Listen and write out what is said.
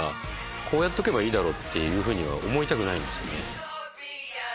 こうやっとけばいいだろう！って思いたくないんですよね。